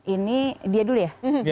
ini dia dulu ya